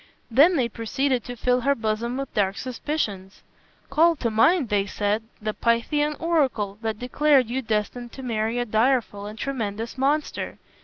Then they proceeded to fill her bosom with dark suspicions. "Call to mind," they said, "the Pythian oracle that declared you destined to marry a direful and tremendous monster.